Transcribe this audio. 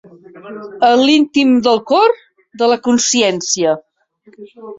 En l'íntim del cor, de la consciència.